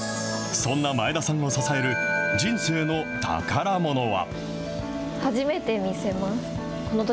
そんな前田さんを支える人生の宝ものは。